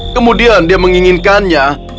kemudian dia menginginkannya